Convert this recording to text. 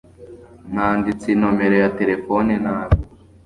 Nanditse inomero ya terefone nabi.